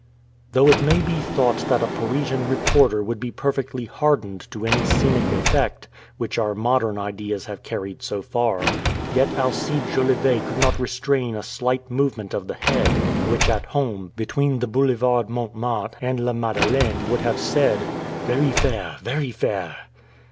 Though it may be thought that a Parisian reporter would be perfectly hardened to any scenic effect, which our modern ideas have carried so far, yet Alcide Jolivet could not restrain a slight movement of the head, which at home, between the Boulevard Montmartre and La Madeleine would have said "Very fair, very fair."